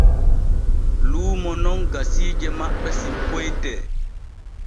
Luumo non gasiije maɓɓe sippoyte.